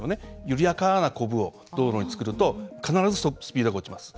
緩やかなこぶを、道路に作ると必ずスピードが落ちます。